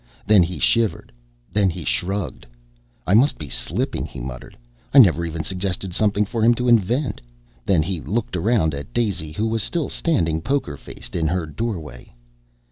Then he shivered. Then he shrugged. "I must be slipping," he muttered. "I never even suggested something for him to invent." Then he looked around at Daisy, who was still standing poker faced in her doorway.